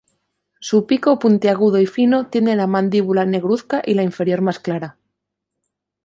Su pico puntiagudo y fino tiene la mandíbula negruzca y la inferior más clara.